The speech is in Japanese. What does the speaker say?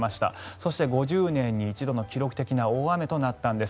そして５０年に一度の記録的な大雨となったんです。